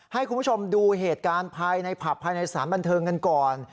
ให้คุณผู้ชมดูเหตุการณ์ภายในผับภายในสารบันเทิงกันก่อน